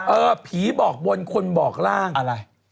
เออผีบอกบนคนบอกร่างอะไร